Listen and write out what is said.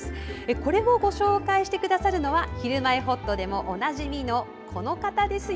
これをご紹介してくださるのは「ひるまえほっと」でもおなじみのこの方ですよ。